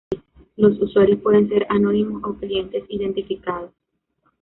Los usuarios pueden ser anónimos o clientes identificados.